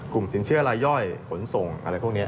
สินเชื่อรายย่อยขนส่งอะไรพวกนี้